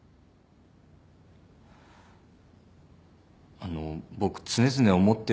あの僕常々思ってるんですが。